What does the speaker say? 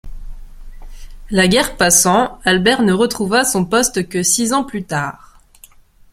La guerre passant, Albert ne retrouva son poste que six ans plus tard.